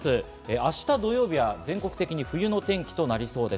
明日土曜日は全国的に冬のお天気となりそうです。